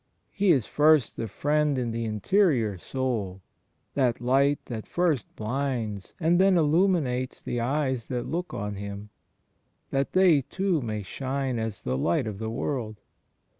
He is first the Friend in the interior soul — that light that first blinds and then illuminates the eyes that look on Him, that they too may shine as the Light of the World.